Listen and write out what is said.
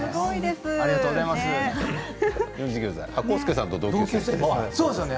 浩介さんと同級生ですね。